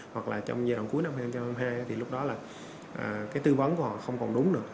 hoặc là trong giai đoạn cuối năm hai nghìn hai mươi hai thì lúc đó là cái tư vấn của họ không còn đúng nữa